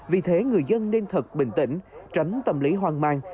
vì thế người dân nên thật bình tĩnh tránh tâm lý hoang mang